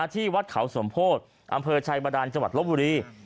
ที่วัดเขาสมโพธิอำเภอชัยบาดานจังหวัดลบบุรี